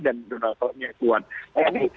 dan donald trumpnya kuat